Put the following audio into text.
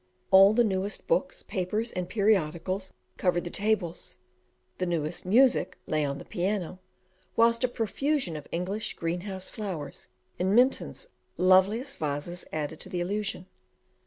All the newest books, papers, and periodicals covered the tables, the newest music lay on the piano, whilst a profusion of English greenhouse flowers in Minton's loveliest vases added to the illusion.